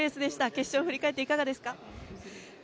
決勝を振り返っていかがですか？